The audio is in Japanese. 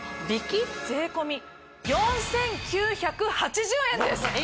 税込４９８０円ですえ！